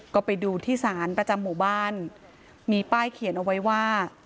ก็ไปดูที่ศาลประจำหมู่บ้านมีป้ายเขียนเอาไว้ว่า